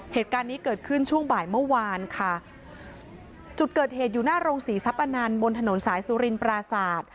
เหตุการณ์นี้เกิดขึ้นช่วงบ่ายเมื่อวานค่ะจุดเกิดเหตุอยู่หน้าโรงศรีทรัพย์อนันต์บนถนนสายสุรินปราศาสตร์